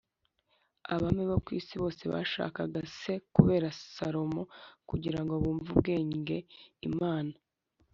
Abami bo ku isi bose bashakaga c kureba salomo kugira ngo bumve ubwenge d imana